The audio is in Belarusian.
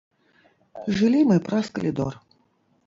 Жылі мы праз калідор.